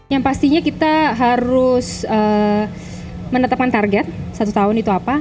yang pastinya kita harus menetapkan target satu tahun itu apa